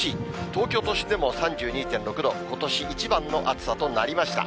東京都心でも３２．６度、ことし一番の暑さとなりました。